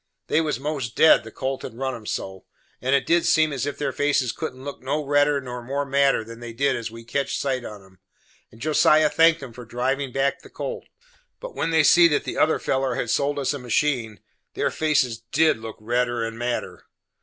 They was most dead the colt had run 'em so, and it did seem as if their faces couldn't look no redder nor more madder than they did as we catched sight on 'em and Josiah thanked 'em for drivin' back the colt; but when they see that the other feller had sold us a machine, their faces did look redder and madder.